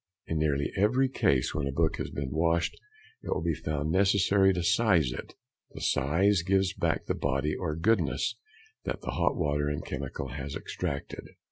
In nearly every case when a book has been washed it will be found necessary to size it: the size |159| gives back the body or goodness that the hot water and chemical has extracted.